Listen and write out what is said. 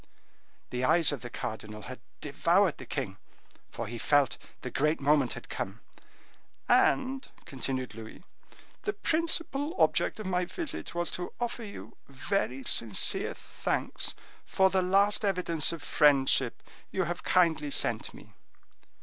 The eyes of the cardinal had devoured the king, for he felt the great moment had come. "And," continued Louis, "the principal object of my visit was to offer you very sincere thanks for the last evidence of friendship you have kindly sent me."